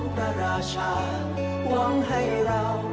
เข้าะกุลพินิก